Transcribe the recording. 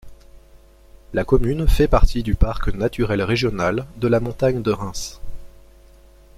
La commune fait partie du Parc naturel régional de la Montagne de Reims.